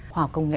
hoặc công nghệ